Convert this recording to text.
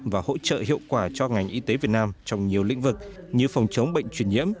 và hỗ trợ hiệu quả cho ngành y tế việt nam trong nhiều lĩnh vực như phòng chống bệnh truyền nhiễm